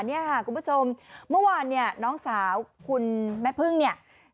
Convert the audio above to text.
เนี่ยค่ะคุณผู้ชมเมื่อวานเนี่ยน้องสาวคุณแม่พึ่งเนี่ย